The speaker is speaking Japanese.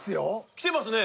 きてますね。